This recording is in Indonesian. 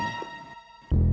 di daerah ini